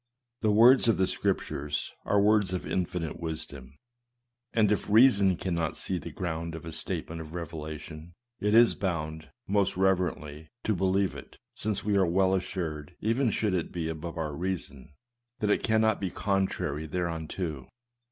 The words of the Scriptures are words of infinite wisdom, and if reason cannot see the ground of a statement of revelation, it is bound, most reverently, to believe it, since we are well assured, even should it be above our reason, that it cannot be contrary thereunto.